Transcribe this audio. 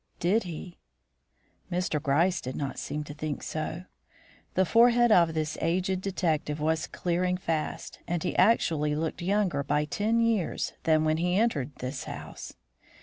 Did he? Mr. Gryce did not seem to think so. The forehead of this aged detective was clearing fast, and he actually looked younger by ten years than when he entered this house.